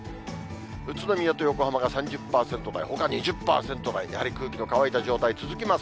宇都宮と横浜が３０％台、ほか２０％台、やはり空気の乾いた状態続きます。